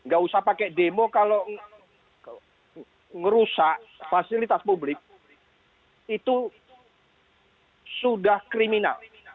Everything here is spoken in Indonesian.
gak usah pakai demo kalau ngerusak fasilitas publik itu sudah kriminal